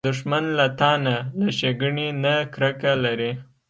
دښمن له تا نه، له ښېګڼې نه کرکه لري